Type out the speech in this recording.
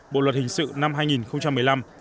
bộ luật hình sự năm hai nghìn một mươi năm